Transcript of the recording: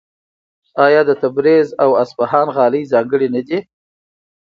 آیا د تبریز او اصفهان غالۍ ځانګړې نه دي؟